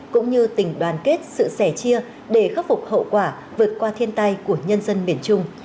cũng như tình đoàn kết sự sẻ chia để khắc phục hậu quả vượt qua thiên tai của nhân dân miền trung